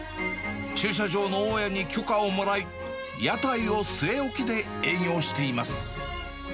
駐車場の大家に許可をもらい、屋台を据え置きで営業しています。